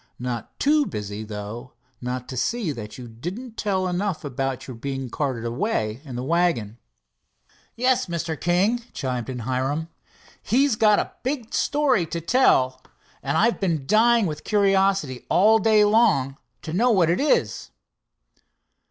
Not too busy, though, not to see that you didn't tell enough about your being carted away in the wagon." "Yes, Mr. King," chimed in Hiram. "He's got a big story to tell, and I've been dying with curiosity all day long to know what it is."